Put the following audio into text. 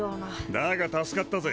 だが助かったぜ。